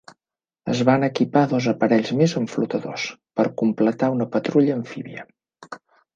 Es van equipar dos aparells més amb flotadors, per completar una patrulla amfíbia.